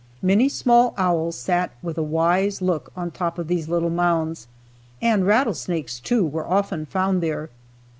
Many small owls sat with a wise look on top of these little mounds, and rattlesnakes, too, were often found there.